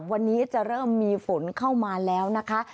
วันนี้จะเริ่มมีฝนเข้ามาแล้วนะคะ